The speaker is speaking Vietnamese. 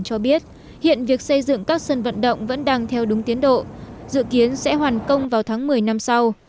cho biết hiện việc xây dựng các sân vận động vẫn đang theo đúng tiến độ dự kiến sẽ hoàn công vào tháng một mươi năm sau